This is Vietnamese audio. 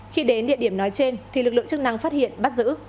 khi đến địa điểm nói trên thì lực lượng chức năng phát hiện bắt giữ